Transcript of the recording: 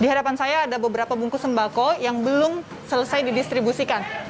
di hadapan saya ada beberapa bungkus sembako yang belum selesai didistribusikan